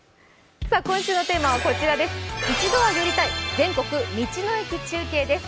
今週のテーマはこちらです。